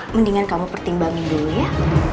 mendingan kamu pertimbangin dulu ya